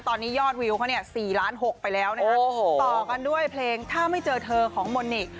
ตอนนี้ยอดวิวเขาเนี่ย๔ล้าน๖ไปแล้วนะคะต่อกันด้วยเพลงถ้าไม่เจอเธอของมนนิ